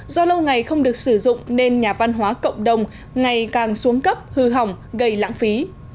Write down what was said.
do lâu ngày không được sử dụng nên nhà văn hóa cộng đồng ngày càng xuống cấp hư hỏng gây lãng phí